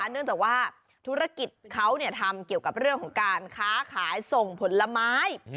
เนื่องจากว่าธุรกิจเขาทำเกี่ยวกับเรื่องของการค้าขายส่งผลไม้